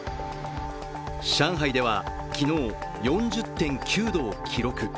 上海では昨日、４０．９度を記録。